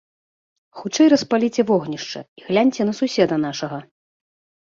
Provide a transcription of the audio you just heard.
Хутчэй распаліце вогнішча і гляньце на суседа нашага!